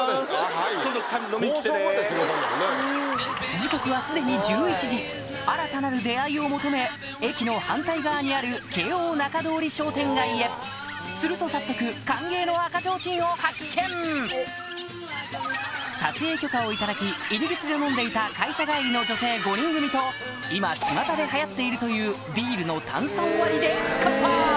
時刻は既に１１時新たなる出会いを求め駅の反対側にある慶応仲通り商店街へすると早速歓迎の赤ちょうちんを発見撮影許可を頂き入り口で飲んでいた会社帰りの女性５人組と今ちまたで流行っているというビールの炭酸割りで乾杯！